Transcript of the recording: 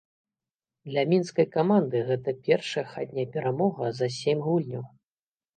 Для мінскай каманды гэта першая хатняя перамога за сем гульняў.